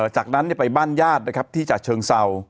จากนั้นไปบ้านญาตินะครับที่จัดเชิงเศร้า